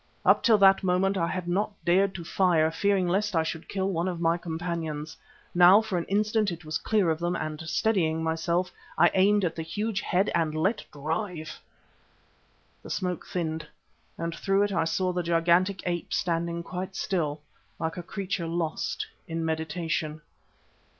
Up till that moment I had not dared to fire, fearing lest I should kill one of my companions. Now for an instant it was clear of them all, and steadying myself, I aimed at the huge head and let drive. The smoke thinned, and through it I saw the gigantic ape standing quite still, like a creature lost in meditation.